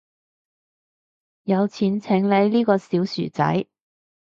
有錢請你呢個小薯仔